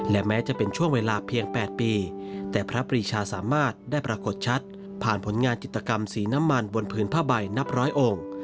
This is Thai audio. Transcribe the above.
และแม้จะเป็นช่วงเวลาเพียง๘ปีแต่พระปรีชาสามารถได้ปรากฏชัดผ่านผลงานจิตกรรมสีน้ำมันบนผืนผ้าใบนับร้อยองค์